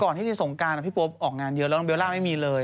ที่สงการพี่โป๊ปออกงานเยอะแล้วน้องเบลล่าไม่มีเลย